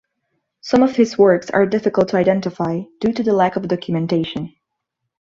Some of his works are difficult to identify, due to the lack of documentation.